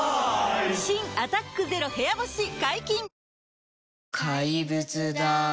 新「アタックＺＥＲＯ部屋干し」解禁‼